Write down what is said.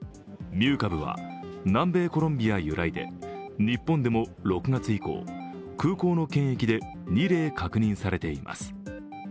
ミュー株は南米コロンビア由来で日本でも６月以降、空港の検疫で２例確認されています。